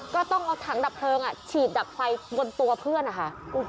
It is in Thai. ก็ต้องเอาถังดับเพลิงฉีดดับไฟบนตัวเพื่อนนะคะ